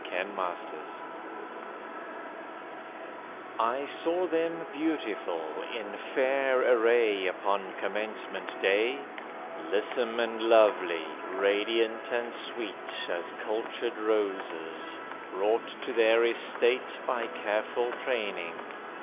THE GRADUATES I SAW them beautiful, in fair array upon Commencement Day; Lissome and lovely, radiant and sweet As cultured roses, brought to their estate By careful training.